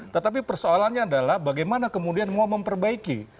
tetapi persoalannya adalah bagaimana kemudian mau memperbaiki